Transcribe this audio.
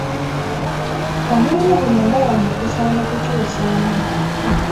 Omulimu guno ndaba nga gusaana kukyusaamu.